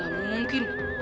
gak belum mungkin